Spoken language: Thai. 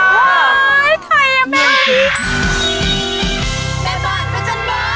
ไอ้ไทยยังไม่เอาอีก